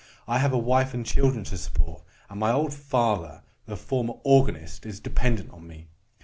I have a wife and children to support, and my old father, the former organist, is dependent upon me.